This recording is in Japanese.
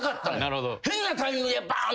変なタイミングでバーン！